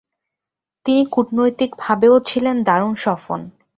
তিনি কূনৈতিকভাবেও ছিলেন দারুণ সফল।